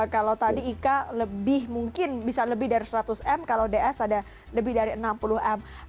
kalau tadi ika lebih mungkin bisa lebih dari seratus m kalau ds ada lebih dari enam puluh m